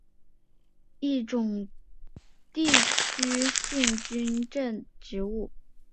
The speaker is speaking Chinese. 经略使是中华民国北洋政府时期的一种地区性军政职务。